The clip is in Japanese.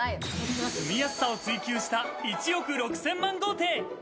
住みやすさを追求した１億６０００万豪邸。